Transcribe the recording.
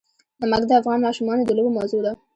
نمک د افغان ماشومانو د لوبو موضوع ده.